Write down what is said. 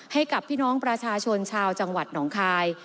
ให้กับพี่น้องประชาชนชาวจังหวัดหนองคาย